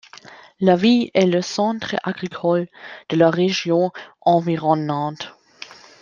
La ville est le centre agricole de la région environnante.